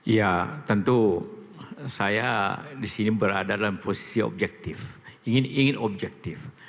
ya tentu saya disini berada dalam posisi objektif ingin objektif